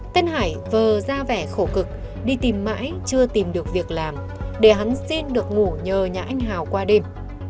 tân hải vờ ra vẻ khổ cực đi tìm mãi chưa tìm được việc làm để hắn xin được ngủ nhờ nhà anh hào qua đêm